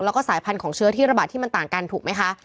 แล้วก็สายพันธุ์ของเชื้อที่ระบาดที่มันต่างกันถูกไหมคะ